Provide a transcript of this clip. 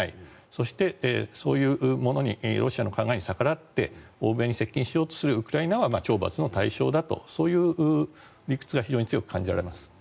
そして、そういうものにロシアの考えに逆らって欧米に接近しようとするウクライナは懲罰の対象だとそういう理屈が非常に強く感じられます。